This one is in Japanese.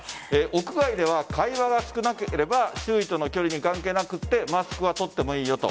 屋外では会話は少なければ周囲との距離に関係なくマスクは取ってもいいよと。